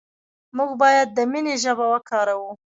موږ باید د مینې ژبه وکاروو.